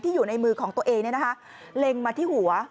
อยู่ในมือของตัวเองเล็งมาที่หัว